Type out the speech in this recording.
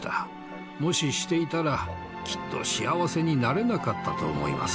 もししていたらきっと幸せになれなかったと思います。